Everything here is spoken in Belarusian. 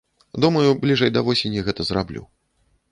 Думаю, бліжэй да восені гэта зраблю.